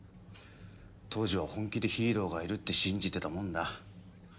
当時は本気でヒーローがいるって信じてたもんだ。